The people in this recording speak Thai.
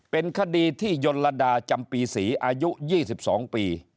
เป็นคดีที่ยนระดาจำปีศรีอายุ๒๒ปี